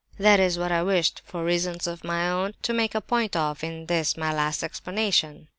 That is what I wished, for reasons of my own, to make a point of in this my 'Explanation.